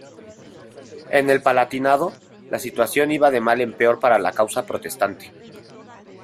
En el Palatinado, la situación iba de mal en peor para la causa protestante.